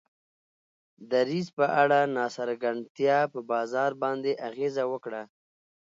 دریځ په اړه ناڅرګندتیا په بازار باندې اغیزه وکړه.